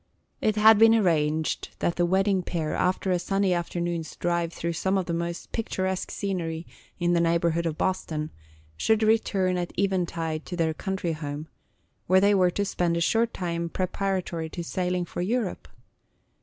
It had been arranged that the wedding pair, after a sunny afternoon's drive through some of the most picturesque scenery in the neighborhood of Boston, should return at eventide to their country home, where they were to spend a short time preparatory to sailing for Europe.